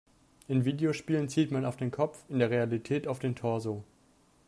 In Videospielen zielt man auf den Kopf, in der Realität auf den Torso.